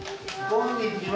こんにちは。